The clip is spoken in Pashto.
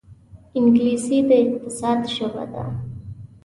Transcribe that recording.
انګلیسي د اقتصاد ژبه ده